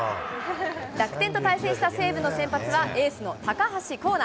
楽天と対戦した西武の先発は、エースの高橋光成。